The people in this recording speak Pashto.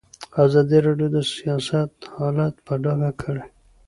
ازادي راډیو د سیاست حالت په ډاګه کړی.